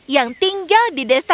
yang tinggal di dalam rumah